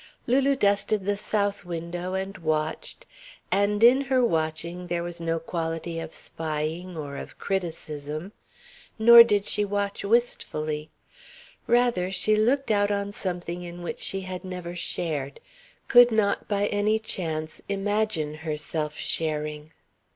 Lulu dusted the south window and watched, and in her watching was no quality of spying or of criticism. Nor did she watch wistfully. Rather, she looked out on something in which she had never shared, could not by any chance imagine herself sharing.